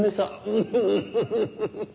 ウフフフフフ！